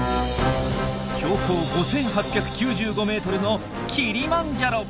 標高５，８９５ｍのキリマンジャロ！